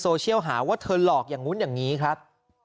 เชียลหาว่าเธอหลอกอย่างนู้นอย่างนี้ครับ